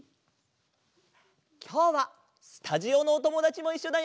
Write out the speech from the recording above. きょうはスタジオのおともだちもいっしょだよ！